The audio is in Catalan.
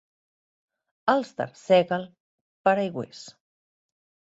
Els d'Arsèguel, paraigüers.